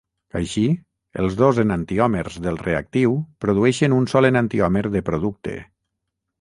Així, els dos enantiòmers del reactiu produeixen un sol enantiòmer de producte.